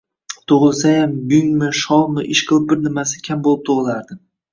Tug`ilsayam, gungmi, sholmi, ishqilib, bir nimasi kam bo`lib tug`ilardi